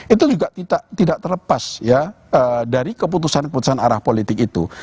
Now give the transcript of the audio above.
itu juga tidak terlepas ya dari keputusan keputusan arah politik itu